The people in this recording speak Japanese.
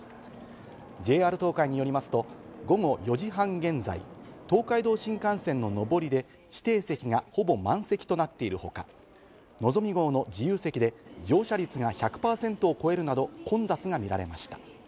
ＪＲ東海によりますと、午後４時半現在、東海道新幹線の上りで、指定席がほぼ満席となっているほか、のぞみ号の自由席で乗車率が１００％を超えるなど、混雑が見られました。